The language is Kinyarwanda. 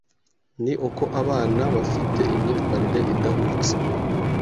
ni uko abana bafite imyitwarire idahwitse,